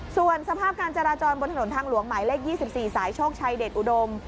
ส่วนสภาพการจราจรบนถนนทางหลวงหมายเลข๒๔สายโชคชัยเดชอุดม